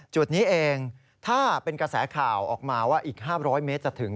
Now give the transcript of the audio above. จุดนี้เองถ้าเป็นกระแสข่าวออกมาว่าอีก๕๐๐เมตรจะถึง